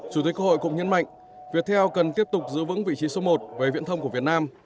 chủ tịch quốc hội cũng nhấn mạnh việt theo cần tiếp tục giữ vững vị trí số một về viễn thông của việt nam